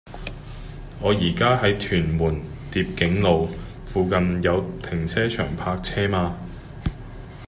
我依家喺屯門蝶景路，附近有停車場泊車嗎